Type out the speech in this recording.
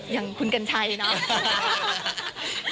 อย่างคุณกัญชัยเนาะ